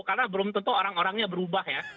karena belum tentu orang orangnya berubah ya